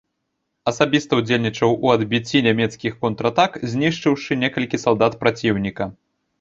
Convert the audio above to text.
Асабіста ўдзельнічаў у адбіцці нямецкіх контратак, знішчыўшы некалькі салдат праціўніка.